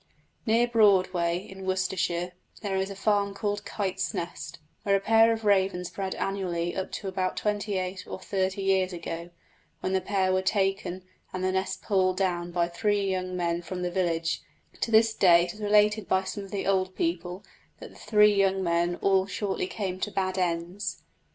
Near Broadway, in Worcestershire, there is a farm called "Kite's Nest," where a pair of ravens bred annually up to about twenty eight or thirty years ago, when the young were taken and the nest pulled down by three young men from the village: to this day it is related by some of the old people that the three young men all shortly came to bad ends.